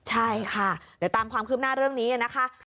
ใช่ค่ะเดี๋ยวตามความคืบหน้าเรื่องนี้นะคะ